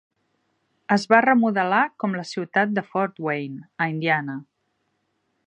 Es va remodelar com la ciutat de Fort Wayne, a Indiana.